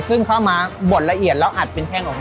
ซึ่งเข้ามาบ่นละเอียดแล้วอัดเป็นแห้งออกมา